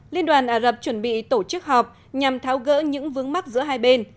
liên đoàn ả rập chuẩn bị tổ chức họp nhằm tháo gỡ những vướng mắt giữa hai bên